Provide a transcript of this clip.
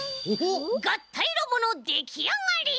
がったいロボのできあがり！